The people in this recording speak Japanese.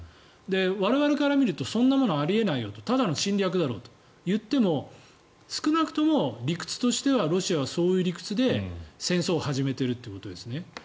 我々から見るとそんなものあり得ないよとただの侵略だろうといっても少なくとも理屈としてはロシアはそういう理屈で戦争を始めているということですね。